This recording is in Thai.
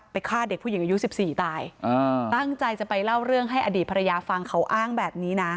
ฆ่าเด็กผู้หญิงอายุ๑๔ตายตั้งใจจะไปเล่าเรื่องให้อดีตภรรยาฟังเขาอ้างแบบนี้นะ